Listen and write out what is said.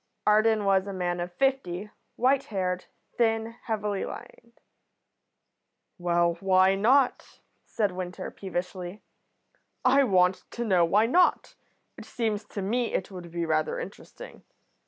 Arden was a man of fifty, white haired, thin, heavily lined. "Well, why not?" said Winter, peevishly. "I want to know why not. It seems to me it would be rather interesting.